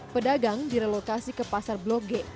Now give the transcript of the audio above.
pedagang direlokasi ke pasar blok g